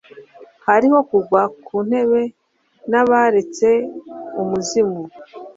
hariho kugwa kuntebe na baretse umuzimu